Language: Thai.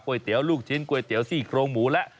เตี๋ยวลูกชิ้นก๋วยเตี๋ยซี่โครงหมูและ